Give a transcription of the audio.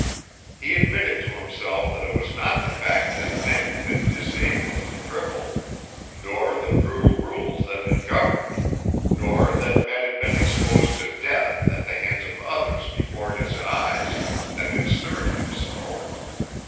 He admitted to himself that it was not the fact that men had been disabled and crippled, nor the brutal rules that had governed, nor that men had been exposed to death at the hands of others before his eyes, that had stirred him so.